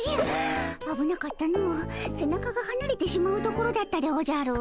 背中がはなれてしまうところだったでおじゃる。